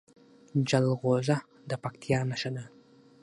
جلغوزه د پکتیا نښه ده.